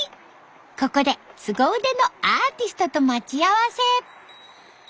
ここですご腕のアーティストと待ち合わせ。